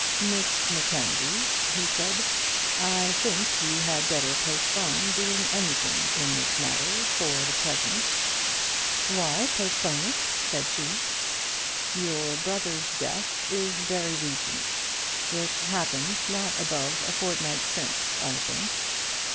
"Miss Mackenzie," he said, "I think you had better postpone doing anything in this matter for the present." "Why postpone it?" said she. "Your brother's death is very recent. It happened not above a fortnight since, I think."